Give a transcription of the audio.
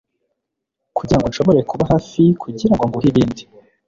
kugirango nshobore kuba hafi kugirango nguhe ibindi